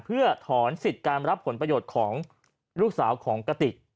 เพื่อถอนสิทธิ์การรับผลประโยชน์ของลูกสาวของกติก